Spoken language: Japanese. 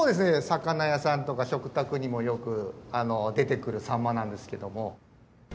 魚屋さんとか食卓にもよく出てくるサンマなんですけども。